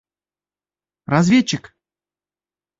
Разведчик!